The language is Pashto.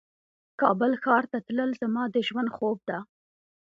کابل ښار ته تلل زما د ژوند خوب ده